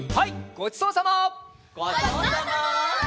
ごちそうさま！